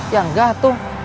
ya enggak tuh